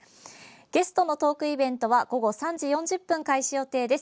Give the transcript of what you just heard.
ゲストのトークイベントは午後３時４０分開始予定です。